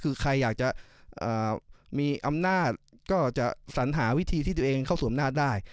คือใครอยากจะมีอำนาจก็จะสัญหาวิธีที่ตัวเองเข้าสู่อำนาจได้